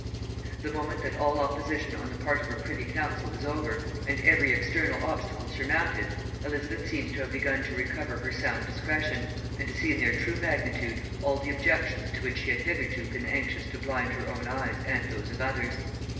The moment that all opposition on the part of her privy council was over, and every external obstacle surmounted, Elizabeth seems to have begun to recover her sound discretion, and to see in their true magnitude all the objections to which she had hitherto been anxious to blind her own eyes and those of others.